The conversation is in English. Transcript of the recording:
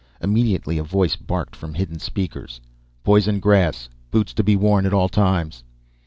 Immediately a voice barked from hidden speakers. "Poison grass. Boots to be worn at all times."